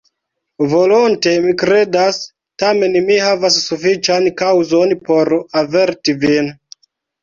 Volonte mi kredas; tamen mi havas sufiĉan kaŭzon, por averti vin.